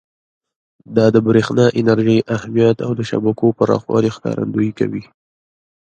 دا د برېښنا انرژۍ اهمیت او د شبکو پراخوالي ښکارندویي کوي.